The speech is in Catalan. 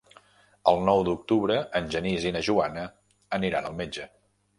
El nou d'octubre en Genís i na Joana aniran al metge.